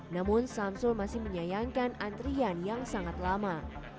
namun samsul masih menyayangkan antrian yang sangat lama